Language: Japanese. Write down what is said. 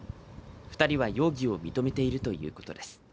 ２人は容疑を認めているということです。